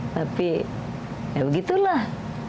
tapi ya begitulah